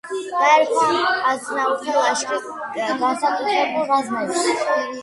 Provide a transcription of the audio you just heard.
დაერქვა აზნაურთა ლაშქრის განსაკუთრებულ რაზმებს.